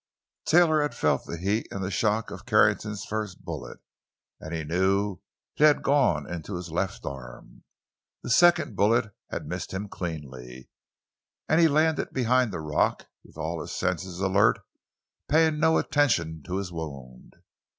Taylor had felt the heat and the shock of Carrington's first bullet, and he knew it had gone into his left arm. The second bullet had missed him cleanly, and he landed behind the rock, with all his senses alert, paying no attention to his wound.